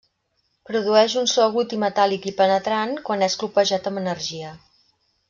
Produeix un so agut i metàl·lic i penetrant quan és colpejat amb energia.